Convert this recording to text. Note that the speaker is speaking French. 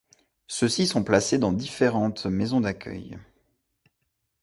Ceux-ci sont placés dans différentes maison d'accueil.